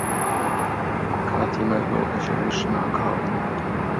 کاتی مەرگە و ئەجەلیش ناکاوە